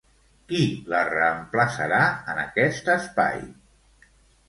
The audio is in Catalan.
Qui la reemplaçarà en aquest espai?